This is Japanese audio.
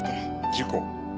事故。